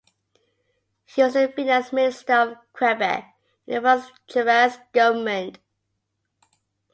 He was the Finance Minister of Quebec in the first Charest government.